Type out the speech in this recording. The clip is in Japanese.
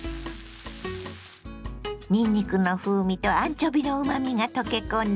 にんにくの風味とアンチョビのうまみが溶け込んだ